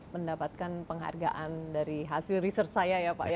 mendapatkan penghargaan dari hasil research saya ya pak